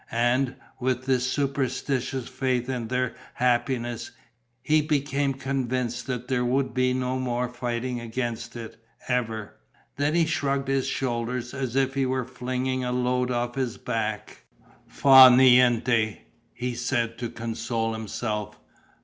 And, with his superstitious faith in their happiness, he became convinced that there would be no fighting against it, ever. Then he shrugged his shoulders, as if he were flinging a load off his back: "Fa niente!" he said to console himself.